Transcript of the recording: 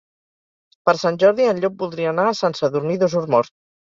Per Sant Jordi en Llop voldria anar a Sant Sadurní d'Osormort.